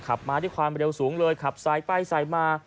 ขับมาที่ความเร็วสูงเลยขับซ้ายไปซ้ายมา